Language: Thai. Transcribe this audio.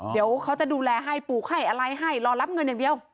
เดี๋ยวเขาจะดูแลให้ปลูกให้อะไรให้รอรับเงินอย่างเดียว